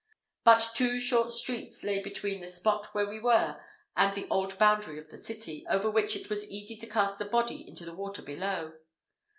But two short streets lay between the spot where we were and the old boundary of the city, over which it was easy to cast the body into the water below.